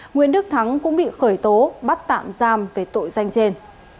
nguyễn đức thắng cũng bị khởi tố bắt tạm giam về tội danh trên